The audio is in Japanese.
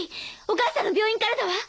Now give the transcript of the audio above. お母さんの病院からだわ。